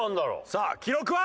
さあ記録は？